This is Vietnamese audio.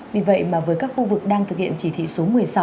vì vậy mà với các khu vực đang thực hiện chỉ thị số một mươi sáu